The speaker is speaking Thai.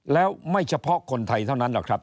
แล้วไม่เฉพาะคนไทยเท่านั้นหรอกครับ